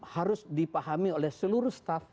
harus dipahami oleh seluruh staff